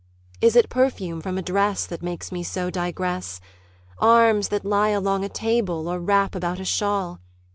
Is it perfume from a dress That makes me so digress? Arms that lie along a table, or wrap about a shawl.